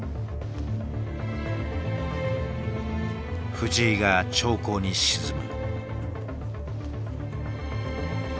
藤井が長考に沈む。